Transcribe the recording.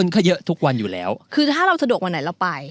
ก็เยอะทุกวันอยู่แล้วคือถ้าเราสะดวกวันไหนเราไป